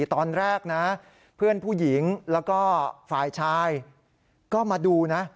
ตอนแรกนะเพื่อนผู้หญิงแล้วก็ฝ่ายชายก็มาดูนะ